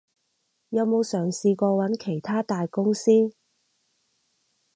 有冇嘗試過揾其它大公司？